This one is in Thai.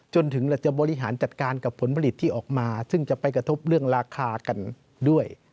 จนถึงเราจะบริหารจัดการกับผลผลิตที่ออกมาซึ่งจะไปกระทบเรื่องราคากันด้วย